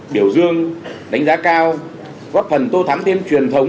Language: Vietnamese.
biểu dương đánh giá cao góp phần tô thắng tiêm truyền thống